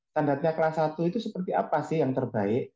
standarnya kelas satu itu seperti apa sih yang terbaik